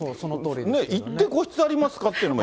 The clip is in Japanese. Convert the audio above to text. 行って個室ありますか？